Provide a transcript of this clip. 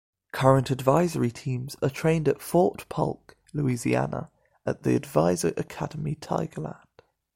Current Advisory Teams are trained at Fort Polk, Louisiana at the Advisor Academy, Tigerland.